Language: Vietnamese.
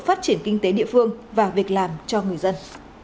phát triển kinh tế địa phương và việc làm cho người dân